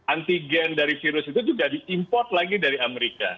antigen dari virus itu juga diimport lagi dari amerika